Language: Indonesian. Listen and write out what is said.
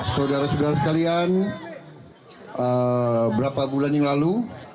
saudara saudara sekalian berapa bulan yang lalu